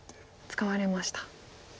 使われました。